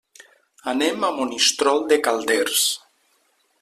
Anem a Monistrol de Calders.